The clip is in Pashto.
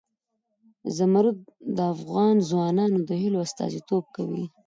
زمرد د افغان ځوانانو د هیلو استازیتوب کوي.